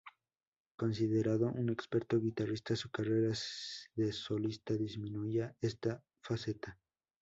Considerado un experto guitarrista, su carrera de solista disminuía esta faceta.